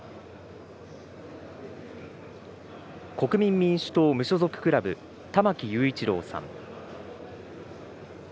国民民主党・無所属クラブ、玉木雄一郎さん。